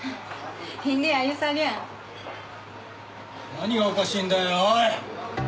何がおかしいんだよおい！